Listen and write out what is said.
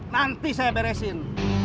nanti saya beresin